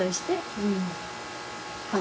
うん。